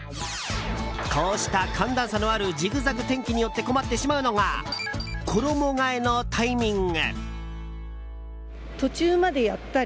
こうした寒暖差のあるジグザグ天気によって困ってしまうのが衣替えのタイミング。